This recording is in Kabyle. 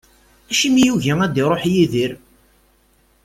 Acimi yugi ad iruḥ Yidir?